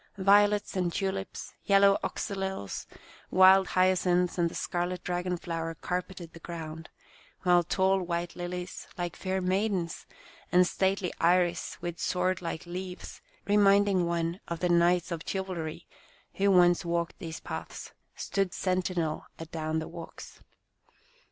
Violets and tulips, yel low oxalis, wild hyacinths, and the scarlet dragon flower carpeted the ground, while tall white lilies, like fair maidens, and stately iris with sword like leaves, reminding one of the knights of chivalry who once walked these paths, stood sentinel adown the walks.